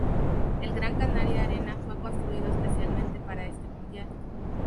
El Gran Canaria Arena fue construido especialmente para este mundial.